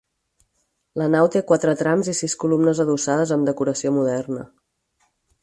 La nau té quatre trams i sis columnes adossades amb decoració moderna.